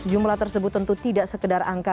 jumlah tersebut tentu tidak sekedar angka